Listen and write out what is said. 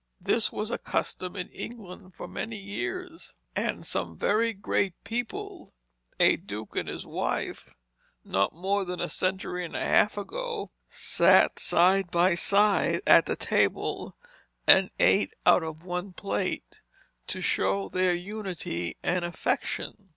This was a custom in England for many years; and some very great people, a duke and his wife, not more than a century and a half ago, sat side by side at the table and ate out of one plate to show their unity and affection.